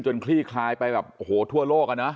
คลี่คลายไปแบบโอ้โหทั่วโลกอะนะ